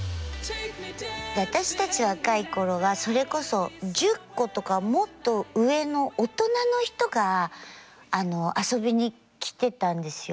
私たち若い頃はそれこそ１０個とかもっと上の大人の人が遊びに来てたんですよ。